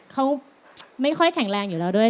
เขาไม่ค่อยแข็งแรงอยู่แล้วด้วย